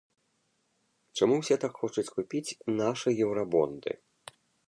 Чаму ўсе так хочуць купіць нашы еўрабонды?